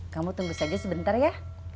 kamu tunggu saja sebentar ya